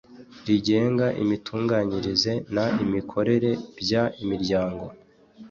rigenga imitunganyirize n imikorere by imiryango